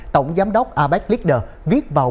tổng giám đốc abec leader viết vào